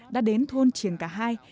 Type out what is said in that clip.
đã đến thôn triền cà hai